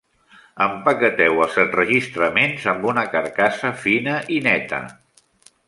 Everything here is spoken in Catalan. Empaqueteu els enregistraments amb una carcassa fina i neta.